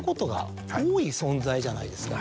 存在じゃないですか。